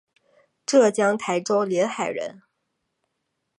浙江台州临海人。